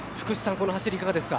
この走りいかがですか？